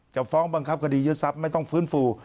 จะฟ้องบังคับคดียึดทรัพย์ไม่ต้องฟื้นฟู